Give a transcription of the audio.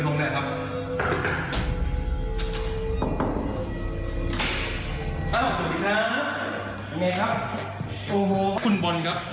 สวัสดีครับยังไงครับโอ้โหคุณบอลครับ